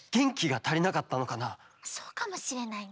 そうかもしれないね。